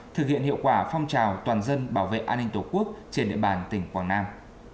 thực hiện hiệu quả phong trào toàn dân bảo vệ an ninh tổ quốc trên địa bàn tỉnh quảng nam